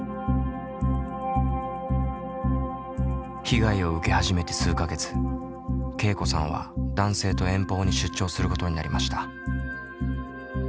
被害を受け始めて数か月けいこさんは男性と遠方に出張することになりました。